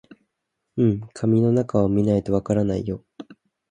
うん、紙の中を見ないとわからないよ